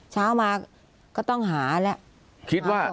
เช้ามาก็ต้องหาแหละ